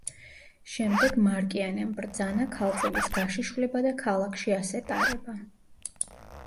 შემდეგ მარკიანემ ბრძანა ქალწულის გაშიშვლება და ქალაქში ასე ტარება.